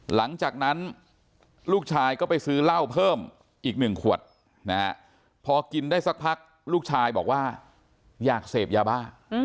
หลังจากนั้นลูกชายก็ไปซื้อเหล้าเพิ่มอีก๑ขวดพอกินได้สักพักลูกชายบอกว่าอยากเสพยาบ้า